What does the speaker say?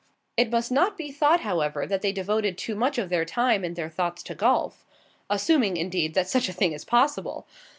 It must not be thought, however, that they devoted too much of their time and their thoughts to golf assuming, indeed, that such a thing is possible.